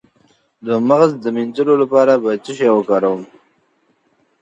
د مغز د مینځلو لپاره باید څه شی وکاروم؟